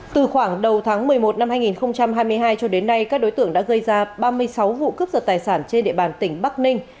từ khoảng đầu tháng một mươi một năm hai nghìn hai mươi hai cho đến nay các đối tượng đã gây ra ba mươi sáu vụ cướp giật tài sản trên địa bàn tỉnh bắc ninh